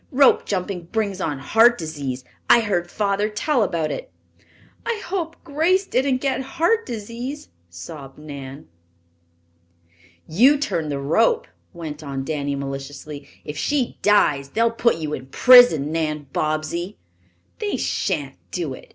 "Rope jumping brings on heart disease. I heard father tell about it." "I hope Grace didn't get heart disease," sobbed Nan. "You turned the rope," went on Danny maliciously. "If she dies, they'll put you in prison, Nan Bobbsey." "They shan't do it!"